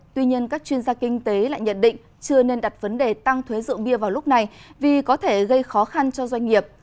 tuy nhiên các chuyên gia kinh tế lại nhận định chưa nên đặt vấn đề tăng thuế rượu bia vào lúc này vì có thể gây khó khăn cho doanh nghiệp